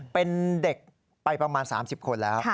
เป็นเด็กไปประมาณ๓๐คนแล้ว